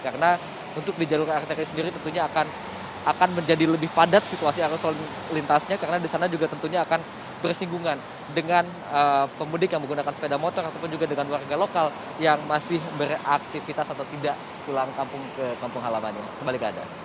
karena untuk di jalur arteri sendiri tentunya akan menjadi lebih padat situasi arus lalu lintasnya karena disana juga tentunya akan bersinggungan dengan pemudik yang menggunakan sepeda motor ataupun juga dengan warga lokal yang masih beraktifitas atau tidak pulang kampung ke kampung halamannya